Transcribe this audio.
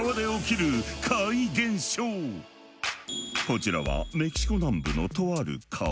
こちらはメキシコ南部のとある川。